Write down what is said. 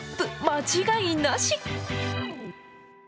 間違いなし！